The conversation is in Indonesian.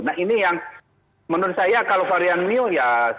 nah ini yang menurut saya kalau varian new ya